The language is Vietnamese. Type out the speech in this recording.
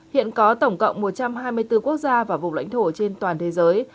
hiện có tổng cộng một trăm hai mươi bốn quốc gia và vùng lãnh thổ trên toàn thế giới